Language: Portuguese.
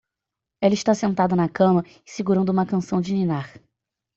Ela está sentada na cama e segurando uma canção de ninar